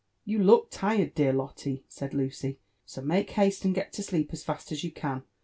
"You look tired, dear Lotte," said Lucy, — *'so make haste and get to sleep as fast as you can.